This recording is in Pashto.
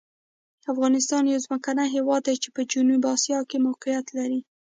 افغانستان یو ځمکني هېواد دی چې په جنوبي آسیا کې موقعیت لري.